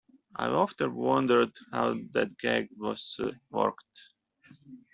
I've often wondered how that gag was worked.